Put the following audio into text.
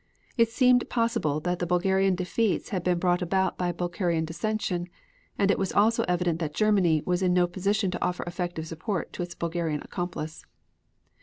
It seemed possible that the Bulgarian defeats had been brought about by Bulgarian dissension and it was also evident that Germany was in no position to offer effective support to its Bulgarian accomplice.